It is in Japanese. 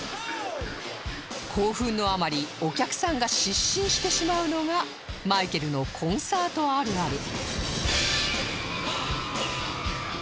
興奮のあまりお客さんが失神してしまうのがマイケルのコンサートあるある